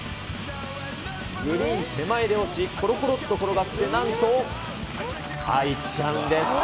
グリーン手前で落ち、ころころっと転がって、なんと入っちゃうんです。